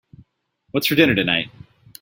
What's for dinner tonight?